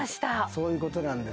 そういうことなんです。